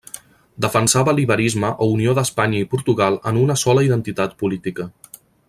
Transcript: Defensava l'Iberisme o unió d'Espanya i Portugal en una sola identitat política.